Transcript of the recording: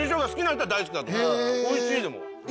おいしいでも。